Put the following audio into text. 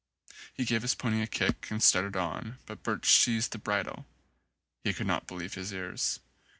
He gave his pony a kick and started on, but Birch seized the bridle. He could not believe his ears.